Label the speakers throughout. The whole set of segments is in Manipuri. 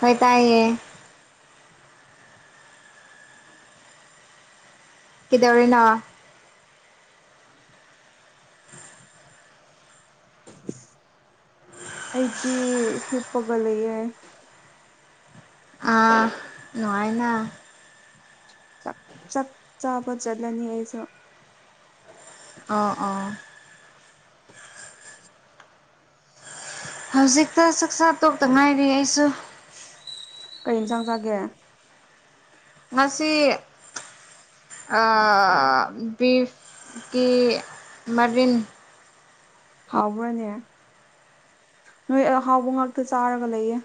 Speaker 1: ꯍ ꯇꯥꯏꯌꯦꯌꯦ ꯀꯗꯧꯔꯤꯅ
Speaker 2: ꯑꯩꯗꯤ ꯍꯤꯞꯄꯒ ꯂꯩꯌꯦꯦ
Speaker 1: ꯑꯥ ꯅꯉꯥꯏꯅ
Speaker 2: ꯆꯥꯛ ꯆꯥꯛꯆꯥꯄ ꯆꯠꯂꯅꯤ ꯍꯥꯏꯁꯨ
Speaker 1: ꯑꯥ ꯑꯣꯥ ꯍꯧꯖꯤꯛꯇ ꯆꯥꯛꯆꯥꯥ ꯇꯣꯛꯇ ꯉꯥꯏꯔꯤ ꯑꯩꯁꯨ
Speaker 2: ꯀꯩ ꯌꯦꯟꯁꯥꯡ ꯆꯥꯒꯦ
Speaker 1: ꯃꯁꯤ ꯕꯤꯐꯀꯤ ꯃꯔꯤꯟ
Speaker 2: ꯍꯥꯎꯕ꯭ꯔꯥꯅꯦ ꯅꯣꯏꯍꯥꯎꯕ ꯉꯥꯛꯇ ꯆꯥꯔꯒ ꯂꯩꯌꯦ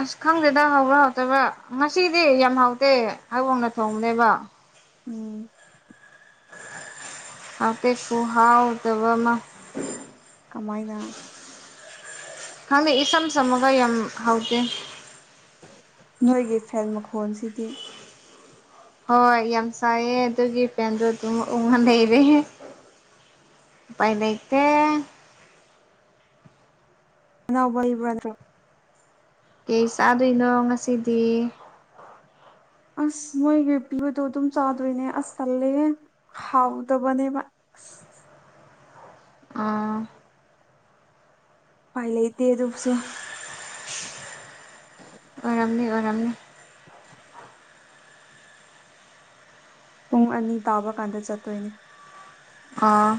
Speaker 1: ꯑꯁ ꯈꯪꯗꯦꯗ ꯍꯧꯕ꯭ꯔꯥ ꯍꯧꯥꯎꯇꯕ꯭ꯔꯥ ꯉꯁꯤꯗꯤ ꯌꯥꯝ ꯍꯥꯎꯇꯦ ꯑꯕꯣꯛꯅ ꯊꯣꯡꯕꯅꯦꯕ
Speaker 2: ꯎꯝ
Speaker 1: ꯍꯥꯡꯇꯦꯛ ꯈꯨꯍꯥꯎꯗꯕ ꯑꯃ
Speaker 2: ꯀꯃꯥꯏꯅ
Speaker 1: ꯍꯪꯗꯦ ꯏꯆꯝ ꯆꯃꯒ ꯌꯥꯝ ꯍꯥꯎꯗꯦ
Speaker 2: ꯅꯣꯏꯒꯤ ꯐꯦꯟ ꯃꯈꯣꯟꯁꯤꯗꯤ
Speaker 1: ꯍꯣꯏ ꯌꯥꯝ ꯆꯥꯏꯑ ꯑꯗꯨꯒꯤ ꯄꯦꯟꯗꯣ ꯑꯗꯨꯝ ꯎꯉ ꯂꯩꯔꯦ ꯄꯥꯏ ꯂꯩꯇꯦ꯫
Speaker 2: [unintelligible]
Speaker 1: ꯀꯩ ꯆꯥꯗꯣꯏꯅꯣ ꯉꯁꯤꯗꯤ
Speaker 2: ꯑꯁ ꯃꯣꯏꯒꯤ ꯄ꯭ꯌꯨꯗꯣ ꯑꯗꯨꯝ ꯆꯥꯗꯣꯏꯅꯦ ꯑꯁ ꯇꯜꯂꯦꯍꯦ ꯍꯥꯎꯗꯕꯅꯦꯕ
Speaker 1: ꯑꯥ
Speaker 2: ꯄꯥꯏ ꯂꯩꯇꯦ ꯑꯗꯨꯕꯨꯁꯨ
Speaker 1: ꯑꯣꯏꯔꯝꯅꯤ ꯑꯣꯏꯔꯝꯅꯤ
Speaker 2: ꯄꯨꯡ ꯑꯅꯤ ꯇꯥꯕ ꯀꯥꯟꯗ ꯆꯠꯇꯣꯏꯅꯦ
Speaker 1: ꯑꯥ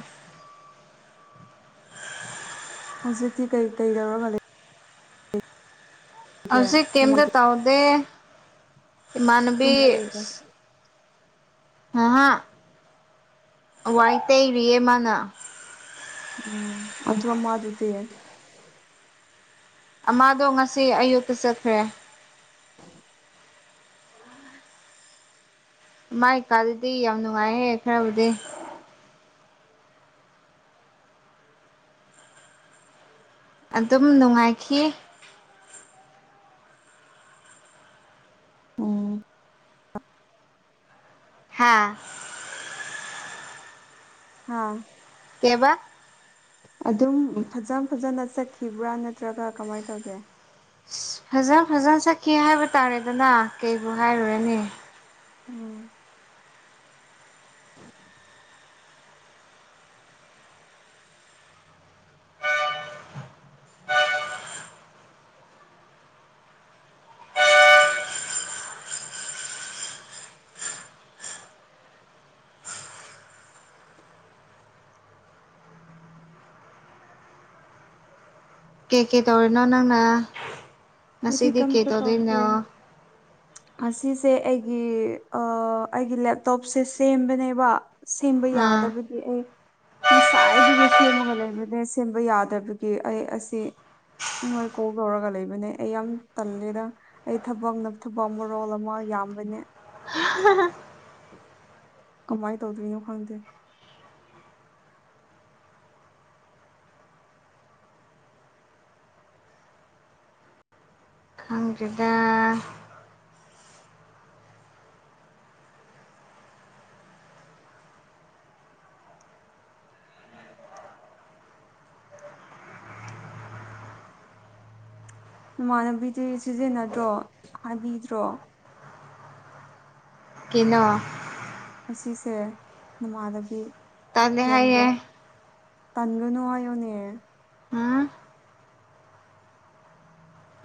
Speaker 2: ꯍꯧꯖꯤꯛꯇꯤ ꯀꯩ ꯀꯩꯗꯧꯔꯒ ꯂꯩꯒꯦ
Speaker 1: ꯍꯧꯖꯤꯛ ꯀꯌꯝꯗ ꯇꯧꯗꯦ ꯏꯃꯅꯕꯤ
Speaker 2: ꯇꯨꯝꯕ ꯂꯩꯕꯩ
Speaker 1: ꯑꯍ ꯋꯥꯏꯇꯩꯔꯤꯌꯦ ꯃꯅ
Speaker 2: ꯎꯝ ꯑꯗꯨꯑꯃꯥ ꯗꯨꯗꯤ
Speaker 1: ꯑꯃꯥꯗꯣ ꯉꯁꯤ ꯑꯌꯨꯛꯇ ꯆꯠꯈ꯭ꯔꯦ
Speaker 2: [inaudible]
Speaker 1: ꯃꯥꯏꯀꯥꯗꯗꯤ ꯌꯥꯝ ꯅꯨꯡꯉꯥꯏꯍꯦ ꯈꯔꯕꯨꯗꯤ ꯑꯗꯨꯝ ꯅꯨꯡꯉꯥꯏꯈꯤ
Speaker 2: ꯎꯝ
Speaker 1: ꯍꯥꯥ
Speaker 2: ꯍꯥꯥ
Speaker 1: ꯀꯦꯕꯥꯛ
Speaker 2: ꯑꯗꯨꯝ ꯐꯖ ꯐꯖꯅ ꯆꯠꯈꯤꯕ꯭ꯔꯥ ꯅꯠꯇ꯭ꯔꯒ ꯀꯃꯥꯏꯅ ꯇꯧꯒꯦ
Speaker 1: ꯑ ꯐꯖꯅ ꯐꯖꯅ ꯁꯛꯀꯦ ꯍꯥꯏꯕ ꯇꯥꯔꯦꯗꯅ ꯀꯩꯕꯨ ꯍꯥꯏꯔꯨꯔꯅꯤ
Speaker 2: ꯎꯝ
Speaker 1: ꯀꯦ ꯀꯦ ꯇꯧꯔꯤꯅꯣ ꯅꯪꯅ
Speaker 2: ꯑꯩꯗꯤ
Speaker 1: ꯉꯁꯤꯗꯤ
Speaker 2: ꯀꯝ
Speaker 1: ꯀꯩ
Speaker 2: ꯄ ꯇꯥꯎꯗꯦ
Speaker 1: ꯇꯧꯗꯣꯏꯅꯣ
Speaker 2: ꯑꯁꯤꯁꯦ ꯑꯩꯒꯤ ꯑꯩꯒꯤ ꯂꯦꯞꯇꯣꯞꯁꯦ ꯁꯦꯝꯕꯅꯦꯕ ꯁꯦꯝꯕ
Speaker 1: ꯑꯥ
Speaker 2: ꯌꯥꯗꯕꯒꯤ ꯑꯩ ꯉꯁꯥꯏꯗꯒꯤ ꯁꯦꯝꯃꯒ ꯂꯩꯕꯅꯦ ꯁꯦꯝꯕ ꯌꯥꯗꯕꯒꯤ ꯑꯩ ꯑꯁꯤ ꯅꯣꯏ ꯀꯣꯜ ꯇꯧꯔꯒ ꯂꯩꯕꯅꯦ ꯑꯩ ꯌꯥꯝ ꯇꯜꯂꯦꯗ ꯑꯩ ꯊꯕꯛ ꯅꯞꯊꯕ ꯑꯃ ꯑꯃ ꯔꯣꯜ ꯑꯃ ꯌꯥꯝꯕꯅꯦ
Speaker 1: [unintelligible]
Speaker 2: ꯀꯃꯥꯏꯅ ꯇꯧꯗꯣꯏꯅꯣ ꯈꯪꯗꯦ
Speaker 1: ꯈꯪꯗꯗ
Speaker 2: ꯅꯃꯥꯟꯅꯕꯤꯗꯤ ꯁꯤꯖꯤꯟꯅꯗ꯭ꯔꯣ ꯍꯥꯏꯕꯤꯗ꯭ꯔꯣ
Speaker 1: ꯀꯩꯅꯣ
Speaker 2: ꯑꯁꯤꯁꯦ
Speaker 1: ꯇꯜꯂꯦ
Speaker 2: ꯅꯃꯥꯟꯗꯕꯤꯖꯥꯏꯟꯗꯣ
Speaker 1: ꯍꯥꯏꯌꯦ
Speaker 2: ꯇꯟꯒꯅꯣ ꯍꯥꯏꯌꯣꯅꯦ
Speaker 1: ꯎꯝ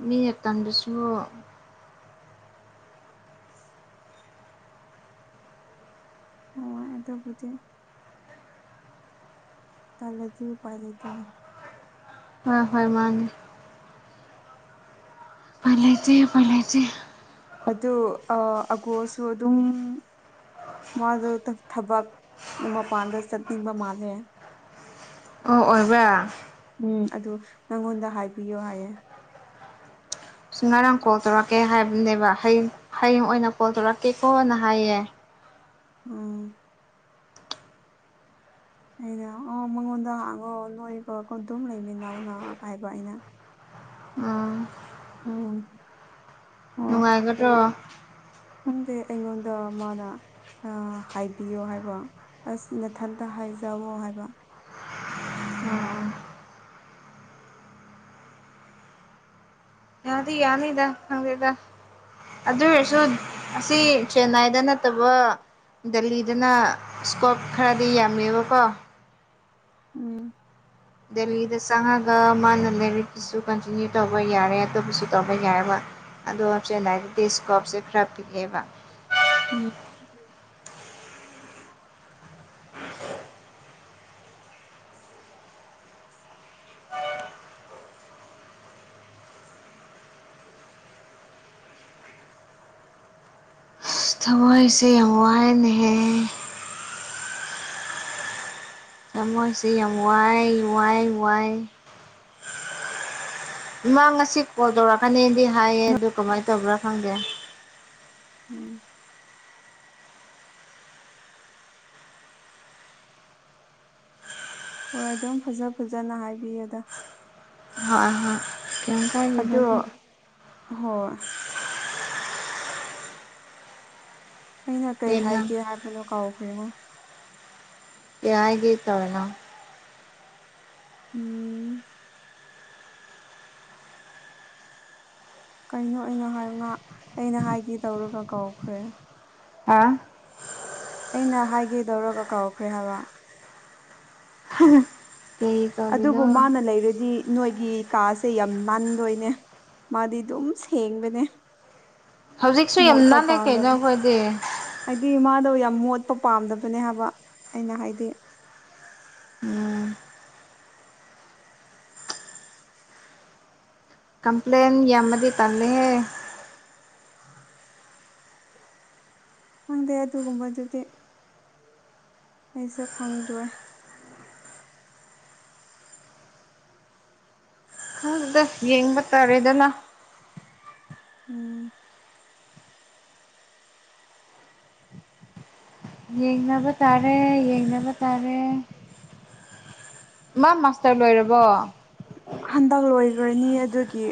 Speaker 1: ꯃꯤꯉ ꯇꯟꯗꯨꯁꯨ
Speaker 2: ꯑꯣ ꯑꯗꯕꯨꯗꯤ ꯇꯂꯗꯤ ꯎꯄꯥꯏ ꯂꯩꯇꯅ
Speaker 1: ꯍꯣꯏ ꯍꯣꯏ ꯃꯥ ꯄꯂꯁꯦ ꯄꯂꯆꯦ
Speaker 2: ꯑ ꯑꯒꯣꯁꯨ ꯑꯗꯨꯝ ꯃꯥꯗꯣ ꯊꯕꯛ ꯃꯄꯥꯟꯗ ꯆꯠꯅꯤꯡꯕ ꯃꯥꯜꯂꯦ
Speaker 1: ꯑꯣ ꯑꯣꯏꯕ
Speaker 2: ꯎꯝ ꯑꯗꯨ ꯅꯪꯉꯣꯟꯗ ꯍꯥꯏꯕꯤꯌꯣ ꯍꯥꯏꯌꯦ
Speaker 1: ꯁꯨꯃꯥꯏꯔꯥꯡ ꯀꯣꯜꯔꯛ ꯀꯩ ꯍꯥꯏꯕꯅꯦꯕ ꯍꯌꯦꯡ ꯍꯌꯦꯡ ꯑꯣꯏꯅ ꯀꯣꯜ ꯇꯧꯔꯛꯀꯦꯀꯣꯅ ꯍꯥꯏꯌꯦ
Speaker 2: ꯎꯝ ꯑꯩꯅ ꯑ ꯃꯉꯣꯟꯗ ꯍꯥꯡꯉꯣꯑꯣ ꯅꯣꯏꯒꯀꯣ ꯑꯗꯨꯝ ꯂꯩꯃꯤꯟꯅꯧ ꯅꯀꯥꯏꯕ ꯑꯩꯅ
Speaker 1: ꯎꯝ
Speaker 2: ꯎꯝ ꯍ
Speaker 1: ꯅꯨꯡꯉꯥꯏꯒꯗ꯭ꯔꯣ
Speaker 2: ꯎꯪꯗꯦ ꯑꯩꯉꯣꯟꯗ ꯃꯥꯅ ꯑ ꯍꯥꯏꯕꯤꯌꯣ ꯍꯥꯏꯕ ꯑꯁ ꯃꯊꯟꯇ ꯍꯥꯏꯖꯋꯣ ꯍꯥꯏꯕ
Speaker 1: ꯌꯥꯗꯤ ꯌꯥꯅꯤꯗ ꯍꯪꯦꯗ ꯑꯗꯨ ꯑꯣꯏꯔꯁꯨ ꯑꯁꯤ ꯆꯦꯟꯅꯥꯏꯗ ꯅꯠꯇꯕ ꯗꯦꯜꯂꯤꯗꯅ ꯁ꯭ꯀꯣꯞ ꯈꯔꯗꯤ ꯌꯥꯝꯃꯦꯕꯀꯣ
Speaker 2: ꯎꯝ
Speaker 1: ꯗꯦꯜꯂꯤꯗ ꯆꯪꯉꯒ ꯃꯥꯅ ꯂꯥꯏꯔꯤꯛꯀꯤꯁꯨ ꯀꯟꯇꯤꯅ꯭ꯌꯨ ꯇꯧꯕ ꯌꯥꯔꯦ ꯑꯇꯣꯞꯄꯁꯨ ꯇꯧꯕ ꯌꯥꯏꯑꯕ ꯑꯗꯣ ꯍꯥꯞꯆꯦꯟ ꯍꯥꯏꯗꯤ ꯇꯦ ꯏꯁꯀꯣꯞꯁꯦ ꯈꯔ ꯄꯤꯛꯑꯦꯕ
Speaker 2: ꯎꯝ
Speaker 1: ꯊꯋꯥꯏꯁꯦ ꯌꯥꯝ ꯋꯥꯏꯅꯍ ꯇꯃꯣꯁꯤ ꯌꯥꯝ ꯋꯥꯏ ꯋꯥꯏ ꯋꯥꯏ ꯏꯃꯥ ꯉꯁꯤ ꯀꯣꯜ ꯇꯧꯔꯛꯀꯅꯤꯗꯤ ꯍꯥꯏꯌꯦ ꯑꯗꯨ ꯀꯃꯥꯏꯅ ꯇꯧꯕ꯭ꯔꯥ ꯈꯪꯗꯦ
Speaker 2: ꯎꯝ ꯍꯣꯏ ꯑꯗꯨꯝ ꯐꯖ ꯐꯖꯅ ꯍꯥꯏꯕꯤꯌꯨꯗ
Speaker 1: ꯍꯣꯏ ꯍꯣꯏ ꯀꯩꯝ ꯀꯥꯏꯗꯦꯗ
Speaker 2: ꯑꯗꯣ ꯍꯣ ꯑꯩꯅ ꯀꯩ
Speaker 1: ꯀꯩꯅꯣ
Speaker 2: ꯍꯥꯏꯒꯦ ꯍꯥꯏꯕꯅꯣ ꯀꯥꯎꯈ꯭ꯔꯤꯃꯣ
Speaker 1: ꯌꯥꯒꯤꯦ ꯇꯧꯅꯣ
Speaker 2: ꯎꯝ ꯀꯩꯅꯣ ꯑꯩꯅꯣ ꯍꯥꯏ ꯉ ꯑꯩꯅ ꯍꯥꯏꯒꯦ ꯇꯧꯔꯒ ꯀꯧꯈ꯭ꯔꯦ
Speaker 1: ꯍꯥ
Speaker 2: ꯑꯩꯅ ꯍꯥꯏꯒꯦ ꯇꯧꯔꯒ ꯀꯧꯈ꯭ꯔꯦ ꯍꯥꯏꯕ
Speaker 1: ꯀꯩ ꯇꯧꯔꯤꯅꯣ
Speaker 2: ꯑꯗꯨꯕꯨ ꯃꯥꯅ ꯂꯩꯔꯗꯤ ꯅꯣꯏꯒꯤ ꯀꯥꯁꯦ ꯌꯥꯝ ꯅꯥꯟꯗꯣꯏꯅꯦ ꯃꯥꯗꯤ ꯑꯗꯨꯝ ꯁꯦꯡꯕꯅꯦ
Speaker 1: ꯍꯧꯖꯤꯛꯁꯨ ꯌꯥꯝ
Speaker 2: ꯃꯣꯠꯄ
Speaker 1: ꯅꯥꯜꯂꯦ
Speaker 2: ꯄꯥꯝꯗꯕ
Speaker 1: ꯀꯩꯅꯣꯈꯣꯏꯗꯤ
Speaker 2: ꯍꯥꯏꯗꯤ ꯃꯥꯗꯣ ꯌꯥꯝ ꯃꯣꯠꯄ ꯄꯥꯝꯗꯕꯅꯦ ꯍꯥꯏꯕ ꯑꯩꯅ ꯍꯥꯏꯗꯤ
Speaker 1: ꯎꯝ ꯀꯝꯄ꯭ꯂꯦꯟ ꯌꯥꯃ ꯇꯂꯦ
Speaker 2: ꯈꯪꯗꯦ ꯑꯗꯨꯒꯨꯝꯕꯗꯨꯗꯤ ꯑꯩꯁꯨ ꯈꯪꯗ꯭ꯔꯣꯏ
Speaker 1: ꯑꯗꯨꯗ ꯌꯦꯡꯕ ꯇꯥꯔꯦꯗꯅ
Speaker 2: ꯎꯝ
Speaker 1: ꯌꯦꯡꯅꯕ ꯇꯥꯔꯦ ꯌꯦꯡꯅꯕ ꯇꯥꯔꯦ ꯃꯥ ꯃꯥꯁꯇꯔ ꯂꯣꯏꯔꯕꯣ
Speaker 2: ꯍꯟꯗꯛ ꯂꯣꯏꯈ꯭ꯔꯅꯤ ꯑꯗꯨꯒꯤ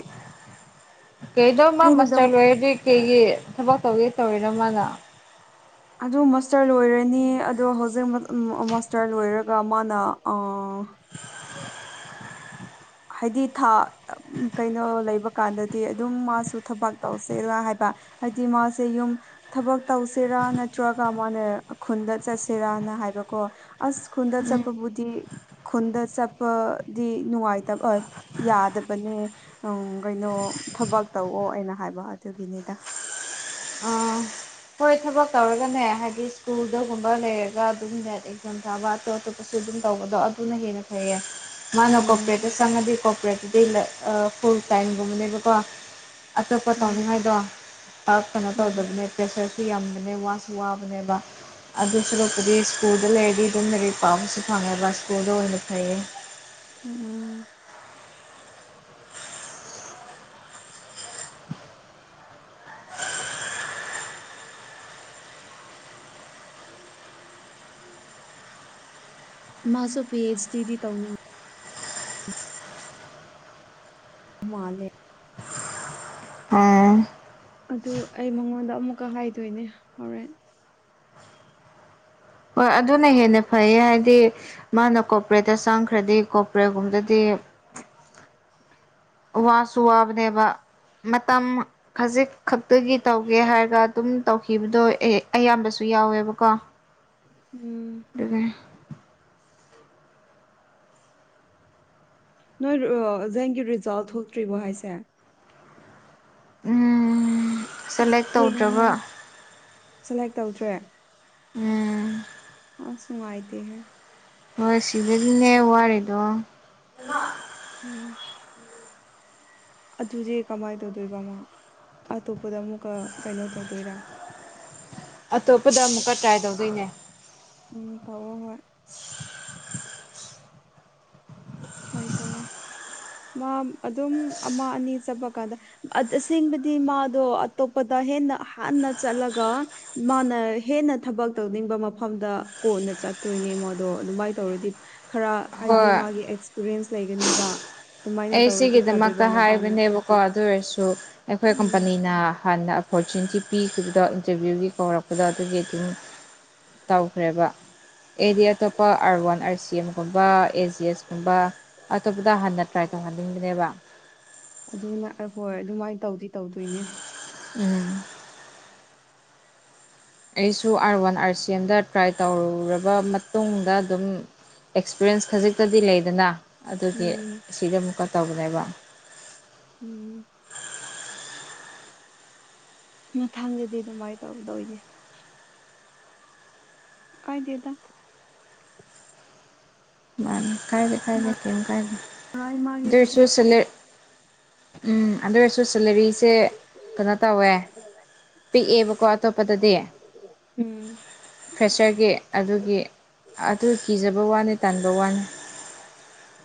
Speaker 1: ꯀꯩꯗꯧ ꯃꯥ
Speaker 2: ꯑꯩꯅ ꯑꯗꯨꯝ
Speaker 1: ꯃꯥꯁꯇꯔ ꯂꯣꯏꯔꯗꯤ ꯀꯩꯒꯤ ꯊꯕꯛ ꯇꯧꯒꯦ ꯇꯧꯔꯤꯅꯣ ꯃꯥꯅ
Speaker 2: ꯑꯗꯨ ꯃꯥꯁꯇꯔ ꯂꯣꯏꯔꯅꯤ ꯑꯗꯣ ꯍꯧꯖꯤꯛ ꯃꯥꯁꯇꯔ ꯂꯣꯏꯔꯒ ꯃꯥꯅ ꯍꯥꯏꯗꯤ ꯊꯥ ꯀꯩꯅꯣ ꯂꯩꯕ ꯀꯥꯟꯗꯗꯤ ꯑꯗꯨꯝ ꯃꯥꯁꯨ ꯊꯕꯛ ꯇꯧꯁꯔꯥ ꯍꯥꯏꯕ ꯑꯇꯤ ꯃꯥꯁꯨꯝ ꯊꯕꯛ ꯇꯧꯁꯤꯔꯥ ꯅꯠꯇ꯭ꯔꯒ ꯃꯣꯏꯅ ꯈꯨꯟꯗ ꯆꯠꯁꯤꯔꯅ ꯍꯥꯏꯕꯀꯣ ꯑꯁ ꯈꯨꯟꯗ ꯆꯄꯕꯨꯗꯤ ꯈꯨꯟꯗ ꯆꯠꯄꯗꯤ ꯅꯨꯡꯉꯥꯏ ꯌꯥꯗꯕꯅꯦ ꯎꯝ ꯀꯩꯅꯣ ꯊꯕꯛ ꯇꯧꯑꯣ ꯑꯩꯅ ꯍꯥꯏꯕ ꯑꯗꯨꯒꯤꯅꯤꯗ
Speaker 1: ꯑ ꯍꯣꯏ ꯊꯕꯛ ꯇꯧꯔꯒꯅꯦ ꯍꯥꯏꯗꯤ ꯁ꯭ꯀꯨꯜꯗꯒꯨꯝꯕ ꯂꯩꯔꯒ ꯑꯗꯨꯝ ꯅꯦꯠ ꯑꯦꯛꯖꯥꯝ ꯊꯥꯕ ꯑꯇꯣꯞ ꯑꯇꯣꯞꯄ ꯁꯨ ꯑꯗꯨꯝ ꯇꯧꯕꯗꯣ ꯑꯗꯨꯅ ꯍꯦꯟꯅ ꯐꯩꯌꯦ ꯃꯥꯅ ꯀꯣꯄꯔꯦꯠꯇ
Speaker 2: ꯎꯝ
Speaker 1: ꯆꯪꯉꯗꯤ ꯀꯣꯄꯔꯦꯠꯇꯨꯗꯤ ꯐꯨꯜ ꯇꯥꯏꯝꯒꯨꯝꯕꯅꯦꯕꯀꯣ ꯑꯇꯣꯞꯄ
Speaker 2: ꯎꯝ
Speaker 1: ꯇꯧꯅꯤꯡꯉꯥꯏꯗꯣꯞ ꯀꯩꯅꯣ
Speaker 2: ꯎꯝ
Speaker 1: ꯇꯧꯗꯕꯅꯦ ꯄꯦꯁꯦꯁ ꯁ ꯌꯥꯝꯕꯅꯦ ꯋꯥꯁꯨ ꯋꯥꯕꯅꯦꯕ ꯑꯗꯨ ꯁꯨꯔꯛꯄꯗꯤ ꯁ꯭ꯀꯨꯜꯗ ꯂꯩꯔꯗꯤ ꯑꯗꯨꯝ ꯃꯔꯤ ꯄꯥꯝꯕꯁꯨ ꯐꯪꯉꯕ ꯁ꯭ꯀꯨꯜꯗ ꯑꯣꯏꯅ ꯐꯩꯌꯦ
Speaker 2: ꯎꯝ ꯃꯥꯁꯣ ꯄꯤ ꯑꯩꯆ ꯗꯤ ꯇꯧꯅꯤ ꯃꯥꯂꯦ
Speaker 1: ꯑꯝ
Speaker 2: ꯑꯗꯨ ꯑꯩ ꯃꯉꯣꯟꯗ ꯑꯃꯨꯛꯀ ꯍꯥꯏꯗꯣꯏꯅꯦ ꯍꯣꯔꯦꯟ
Speaker 1: ꯍꯣꯏ ꯑꯗꯨꯅ ꯍꯦꯟꯅ ꯐꯩꯌꯦ ꯍꯥꯏꯗꯤ ꯃꯥꯅ ꯀꯣꯄꯔꯦꯠꯇ ꯆꯥꯡꯈ꯭ꯔꯗꯤ ꯀꯣꯄꯔꯦꯒꯨꯝꯗꯗꯤ ꯋꯥꯁꯨ ꯋꯥꯕꯅꯦꯕ ꯃꯇꯝ ꯈꯖꯤꯛ ꯈꯛꯇꯒꯤ ꯇꯧꯒꯦ ꯍꯥꯏꯔꯒ ꯑꯗꯨꯝ ꯇꯧꯈꯤꯕꯗꯣ ꯑꯌꯥꯝꯕꯁꯨ ꯌꯥꯎꯋꯦꯕꯀꯣ
Speaker 2: ꯎꯝ
Speaker 1: ꯑꯗꯨꯒꯗꯒꯤ
Speaker 2: ꯅꯣꯏ ꯑꯣꯖꯦꯟꯒꯤ ꯔꯤꯖꯥꯜꯠ ꯊꯣꯛꯇ꯭ꯔꯤꯕꯣ ꯍꯥꯏꯁꯦ ꯑꯁ
Speaker 1: ꯁꯦꯂꯦꯛ ꯇꯧꯗ꯭ꯔꯕ
Speaker 2: ꯊꯦꯡꯉꯦꯍꯦ ꯁꯦꯂꯦꯛ ꯇꯧꯗ꯭ꯔꯦ
Speaker 1: ꯎꯝ
Speaker 2: ꯑꯁ ꯅꯨꯉꯥꯏꯇ‌‌ꯦ ꯍ‌ꯦ
Speaker 1: ꯍꯣꯏ ꯁꯤꯕꯗꯨꯅꯦ ꯋꯥꯔꯤꯗꯣ
Speaker 2: ꯎꯝ ꯑꯗꯨꯗꯤ ꯀꯃꯥꯏꯅ ꯇꯧꯗꯣꯏꯕꯃꯣ ꯑꯇꯣꯞꯄꯗ ꯑꯃꯨꯛꯀ ꯀꯩꯅꯣ ꯇꯧꯗꯣꯏꯔꯥ
Speaker 1: ꯑꯇꯣꯞꯄꯗ ꯑꯃꯨꯛꯀ ꯇ꯭ꯔꯥꯏ ꯇꯧꯗꯣꯏꯅꯦ
Speaker 2: ꯎꯝ ꯇꯧꯑꯣ ꯍꯣꯏ ꯇ꯭ꯔꯥꯏ ꯇꯧꯑꯣ ꯃꯥ ꯑꯗꯨꯝ ꯑꯃ ꯑꯅꯤ ꯆꯠꯄ ꯀꯥꯟꯗ ꯑꯁꯦꯡꯕꯗꯤ ꯃꯥꯗꯣ ꯑꯇꯣꯞꯄꯗ ꯍꯦꯟꯅ ꯍꯥꯟꯅ ꯆꯠꯂꯒ ꯃꯥꯅ ꯍꯦꯟꯅ ꯊꯕꯛ ꯇꯧꯅꯤꯡꯕ ꯃꯐꯝꯗ ꯀꯣꯟꯅ ꯆꯠꯇꯣꯏꯅꯦ ꯃꯗꯣ ꯑꯗꯨꯃꯥꯏꯅ ꯇꯧꯔꯗꯤ ꯈꯔ ꯍꯥꯏꯗꯤ
Speaker 1: ꯍꯣꯏ
Speaker 2: ꯃꯥꯒꯤ ꯑꯦꯛꯁꯄꯤꯔꯤꯌꯦꯟꯁ ꯂꯩꯒꯅꯤꯕ ꯑꯗꯨꯃꯥꯏꯅ
Speaker 1: ꯑꯩ
Speaker 2: ꯇꯧꯔꯗꯤ
Speaker 1: ꯁꯤꯒꯤꯗꯃꯛꯇ
Speaker 2: ꯐꯗꯣꯏꯕ ꯅꯕꯥꯅ
Speaker 1: ꯍꯥꯏꯕꯅꯦꯕꯀꯣ ꯑꯗꯨ ꯑꯣꯏꯔꯁꯨ ꯑꯩꯈꯣꯏ
Speaker 2: ꯎꯝ
Speaker 1: ꯀꯝꯄꯅꯤꯅ ꯍꯥꯟꯅ ꯐꯣꯔꯆꯨꯟꯠꯀꯤ ꯄꯤꯈꯤꯕꯗ ꯏꯟꯇ꯭ꯔꯚ꯭ꯌꯨꯒꯤ ꯀꯧꯔꯛꯄꯗ ꯑꯗꯨꯒꯤ ꯑꯗꯨꯝ ꯇꯧꯈ꯭ꯔꯦꯕ ꯑꯩꯗꯤ ꯑꯇꯣꯞꯄ ꯑꯥꯔꯋꯥꯟ ꯑꯥꯔꯁꯤꯑꯦꯝꯒꯨꯝꯕ ꯑꯦꯖꯤꯑꯦꯁ ꯀꯨꯝꯕ ꯑꯇꯣꯞꯄꯗ ꯍꯥꯟꯅ ꯇ꯭ꯔꯥꯏ ꯇꯧꯍꯟꯅꯤꯡꯗ꯭ꯔꯦꯕ
Speaker 2: ꯑꯗꯨꯅ ꯑꯍꯣꯏ ꯑꯗꯨꯃꯥꯏ ꯇꯧꯗꯤ ꯇꯧꯗꯣꯏꯅꯦ
Speaker 1: ꯎꯝ ꯑꯩꯁꯨ ꯑꯥꯔꯋꯥꯟ ꯑꯥꯔꯁꯤꯑꯦꯝꯗ ꯇ꯭ꯔꯥꯏ ꯇꯧꯔꯨꯔꯕ ꯃꯇꯨꯡꯗ ꯑꯗꯨꯝ ꯑꯦꯛꯁꯄ꯭ꯔꯤꯌꯦꯟꯁ ꯈꯖꯤꯛꯇꯗꯤ ꯂꯩꯗꯅ ꯑꯗꯨꯒꯤ
Speaker 2: ꯎꯝ
Speaker 1: ꯁꯤꯗ ꯑꯃꯨꯛꯀ ꯇꯧꯕꯅꯦꯕ
Speaker 2: ꯎꯝ ꯃꯊꯪꯗꯗꯤ ꯑꯗꯨꯃꯥꯏ ꯇꯧꯗꯣꯏꯅꯦ ꯀꯥꯏꯗ‌ꯦꯗ
Speaker 1: ꯃꯥꯅꯤ ꯀꯥꯏꯗ‌ꯦ ꯀꯥꯏꯗ‌ꯦ ꯀ‌ꯦꯝ ꯀꯥꯏꯗ
Speaker 2: ꯃꯔꯥꯏ ꯃꯥꯒꯤ ꯊꯕꯛ
Speaker 1: ꯗ‌ꯣꯏꯁꯨ ꯁ‌ꯦꯂꯦ ꯎꯝ ꯑꯗꯨꯑꯣꯏꯔꯁꯨ ꯁꯦꯂꯦꯔꯤꯁꯦ ꯀꯩꯅꯣ ꯇꯧꯋꯦ ꯄꯤꯛꯑꯦꯕꯀꯣ ꯑꯇꯣꯞꯄꯗꯗꯤ
Speaker 2: ꯎꯝ
Speaker 1: ꯐ꯭ꯔꯦꯁ꯭ꯔꯒꯤ ꯑꯗꯨꯒꯤ ꯑꯗꯨ ꯀꯤꯖꯕ ꯋꯥꯅꯤ ꯇꯟꯕ ꯋꯥꯅꯤ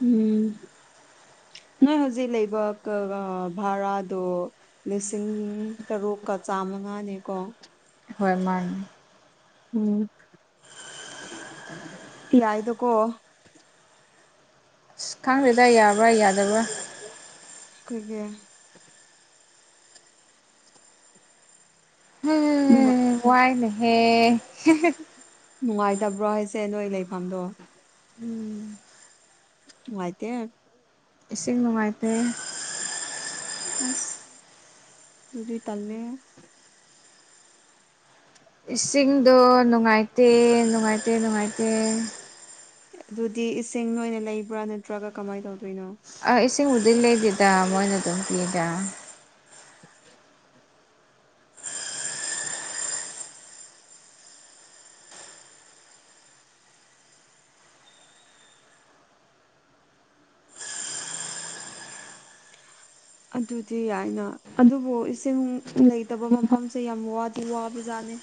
Speaker 2: ꯎꯝ ꯅꯣꯏ ꯍꯧꯖꯤꯛ ꯂꯩꯕ ꯀꯥꯒ ꯚꯥꯔꯥꯗꯣ ꯂꯤꯁꯤꯡ ꯇꯔꯨꯛꯀ ꯆꯥꯝꯃꯉꯥꯅꯦꯀꯣ
Speaker 1: ꯍꯣꯏ ꯃꯥꯅꯦ
Speaker 2: ꯎꯝ ꯌꯥꯏꯗ ꯀꯣ
Speaker 1: ꯑꯁ ꯈꯪꯗꯦꯗ ꯌꯥꯕ꯭ꯔꯥ ꯌꯥꯗꯕ꯭ꯔꯥ
Speaker 2: ꯀꯩꯒꯤ ꯅꯨꯡꯉꯥꯏ
Speaker 1: ꯍꯩ ꯋꯥꯏꯅ‌ꯦꯍ‌ꯦ
Speaker 2: ꯅꯨꯡꯉꯥꯏꯇꯕ꯭ꯔꯣ ꯍꯥꯏꯁꯦ ꯅꯣꯏ ꯂꯩꯐꯝꯗꯣ
Speaker 1: ꯎꯝ
Speaker 2: ꯅꯨꯉꯥꯏꯇꯦ
Speaker 1: ꯏꯁꯤꯡ ꯅꯨꯡꯉꯥꯏꯇꯦ
Speaker 2: ꯑꯁ ꯑꯗꯨꯗꯤ ꯇꯜꯂꯦꯍ‌ꯦ
Speaker 1: ꯏꯁꯤꯡꯗꯣ ꯅꯨꯡꯉꯥꯏꯇꯦ ꯅꯨꯡꯉꯥꯏꯇꯦ ꯅꯨꯡꯉꯥꯏꯇꯦ
Speaker 2: ꯑꯗꯨꯗꯤ ꯏꯁꯤꯡ ꯅꯣꯏꯅ ꯂꯩꯕ꯭ꯔꯥ ꯅꯠꯇ꯭ꯔꯒ ꯀꯃꯥꯏ ꯇꯧꯗꯣꯏꯅꯣ
Speaker 1: ꯑ ꯏꯁꯤꯡꯕꯨꯗꯤ ꯂꯩꯗ‌ꯦꯗ ꯃꯣꯏꯅ ꯑꯗꯨꯝ ꯄꯤꯌꯦꯗ
Speaker 2: ꯑꯗꯨꯗꯤ ꯌꯥꯏꯅ ꯑꯗꯨꯕꯨ ꯏꯁꯤꯡ ꯂꯩꯇꯕ ꯃꯐꯝꯁꯦ ꯌꯥꯝ ꯋꯥꯗꯤ ꯋꯥꯕ ꯖꯥꯠꯅꯤ